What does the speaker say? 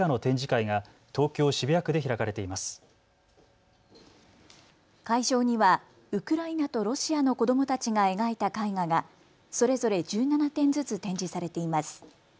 会場にはウクライナとロシアの子どもたちが描いた絵画がそれぞれ１７点ずつ展示されています。